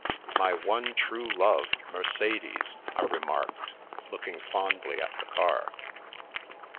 " My one true love, Mercedes," I remarked, look ing fondly at the car.